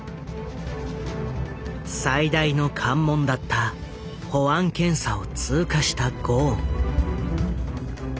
最大の関門だった保安検査を通過したゴーン。